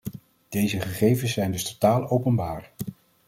Deze gegevens zijn dus totaal openbaar.